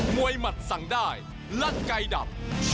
มวยมัดสั่งได้รักไก่ดำ